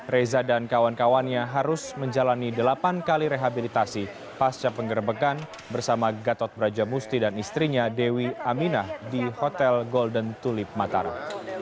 reza dan kawan kawannya harus menjalani delapan kali rehabilitasi pasca penggerbekan bersama gatot brajamusti dan istrinya dewi aminah di hotel golden tulip mataram